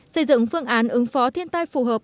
xây dựng phương án ứng phó thiên tai phù hợp